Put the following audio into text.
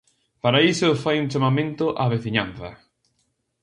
Para iso fai un chamamento á veciñanza.